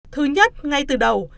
thứ nhất ngay từ đầu